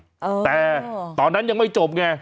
เออแต่ตอนนั้นยังไม่จบไง